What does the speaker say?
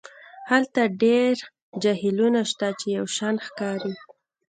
هلته ډیر جهیلونه شته چې یو شان ښکاري